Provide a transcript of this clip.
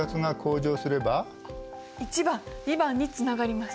１番２番につながります。